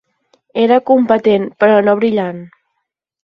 Era competent, però no brillant.